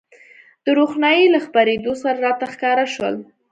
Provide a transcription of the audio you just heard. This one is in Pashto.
د روښنایۍ له خپرېدو سره راته ښکاره شول.